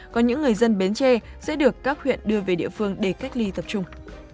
có những người dân bến tre sẽ được các huyện đưa về địa phương để cách ly tập trung